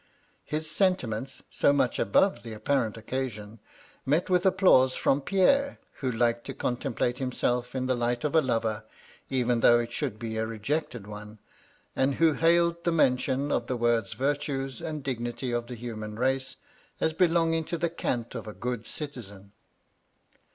His sentiments (so much above the apparent oc casion) met with applause from Pierre, who liked to contemplate himself in the light of a lover, even though it should be a rejected one, and who hailed the mention VOL. I. H 146 MY LADY LUDLOW. of the words * virtues ' and ' dignity of the human race ' as belonging to the cant of a good citizen.